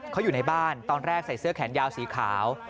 เขาอยู่ในบ้านตอนแรกใส่เสื้อแขนยาวสีขาว